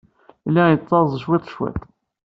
Yella yettaẓ cwiṭ, cwiṭ.